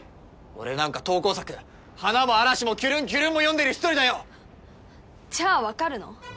俺なんか投稿作「花も嵐もキュルンキュルン」も読んでる一人だよじゃあわかるの？